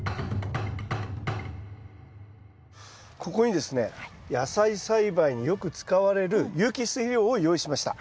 ここにですね野菜栽培によく使われる有機質肥料を用意しました。